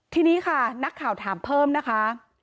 ทีนี้ค่ะนักข่าวถามเพิ่มนะคะ